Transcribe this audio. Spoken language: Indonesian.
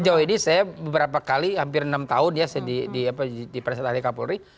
sejauh ini saya beberapa kali hampir enam tahun ya di presiden ahli kapolri